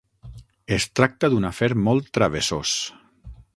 Es tracta d'un afer molt travessós.